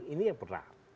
ini yang berat